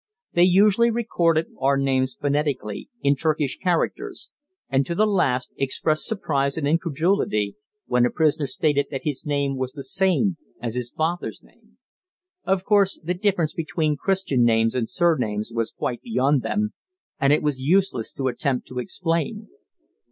They usually recorded our names phonetically, in Turkish characters, and to the last expressed surprise and incredulity when a prisoner stated that his name was the same as his father's name. Of course the difference between Christian names and surnames was quite beyond them, and it was useless to attempt to explain.